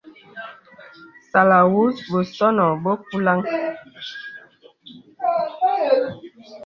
Sàlàwūs bəsɔ̄nɔ̄ bə kùlāŋ.